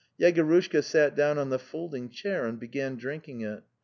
Yegorushka sat down on the folding chair and began drinking it.